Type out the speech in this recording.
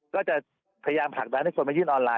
ก็จะพยายามผลักดันให้คนมายื่นออนไลน